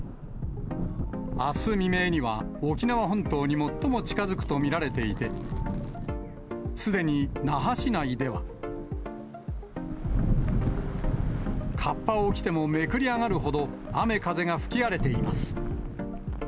あす未明には、沖縄本島に最も近づくと見られていて、すでに那覇市内では。かっぱを着てもめくり上がるほど、雨風が吹き荒れています。